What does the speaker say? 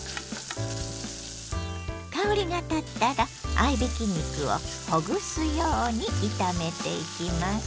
香りがたったら合いびき肉をほぐすように炒めていきます。